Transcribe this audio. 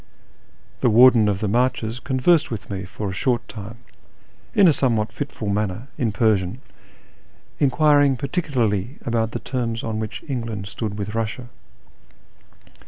The Warden of the IMarches conversed with me for a short time, in a somewliat fitful manner, in Persian, enquiring par ticularly about the terms on which England stood with Kussia.